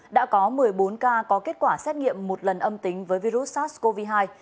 đã có một mươi bốn ca có kết quả xét nghiệm một lần âm tính với virus sars cov hai